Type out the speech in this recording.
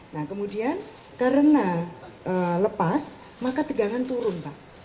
nah kemudian karena lepas maka tegangan turun pak